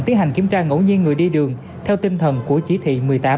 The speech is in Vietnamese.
tiến hành kiểm tra ngẫu nhiên người đi đường theo tinh thần của chỉ thị một mươi tám